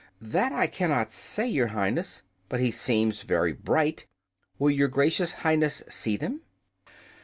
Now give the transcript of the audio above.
"That I cannot say, Your Highness. But he seems very bright. Will Your Gracious Highness see them?"